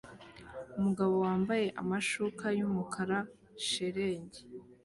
Umugabo wambaye amasuka yumukara shelegi